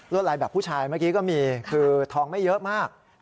ลายแบบผู้ชายเมื่อกี้ก็มีคือทองไม่เยอะมาก